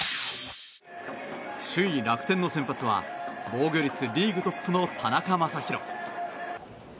首位、楽天の先発は防御率リーグトップの田中将大。